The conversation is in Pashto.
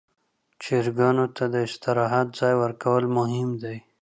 چرګانو ته د استراحت ځای ورکول مهم دي.